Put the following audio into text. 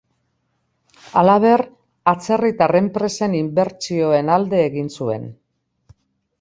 Halaber, atzerritar enpresen inbertsioen alde egin zuen.